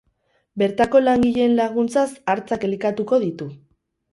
Bertako langileen laguntzaz hartzak elikatuko ditu.